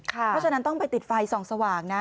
เพราะฉะนั้นต้องไปติดไฟส่องสว่างนะ